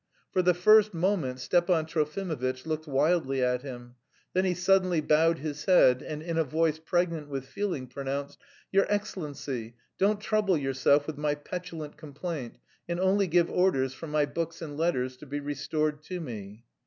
For the first moment Stepan Trofimovitch looked wildly at him; then he suddenly bowed his head and in a voice pregnant with feeling pronounced: "Your Excellency, don't trouble yourself with my petulant complaint, and only give orders for my books and letters to be restored to me...."